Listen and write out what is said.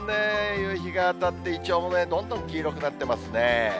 夕日が当たって、イチョウもね、どんどん黄色くなってますね。